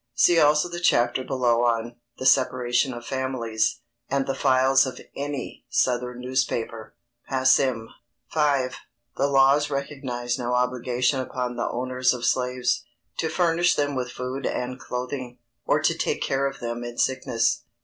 See also the chapter below on "the separation of families," and the files of any southern newspaper, passim. V. _The laws recognized no obligation upon the owners of slaves, to furnish them with food and clothing, or to take care of them in sickness.